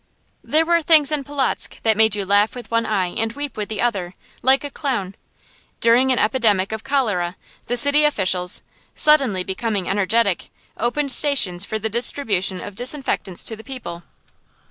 There were things in Polotzk that made you laugh with one eye and weep with the other, like a clown. During an epidemic of cholera, the city officials, suddenly becoming energetic, opened stations for the distribution of disinfectants to the people.